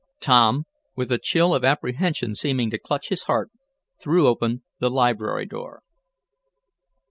Tom, with a chill of apprehension seeming to clutch his heart, threw open the library door.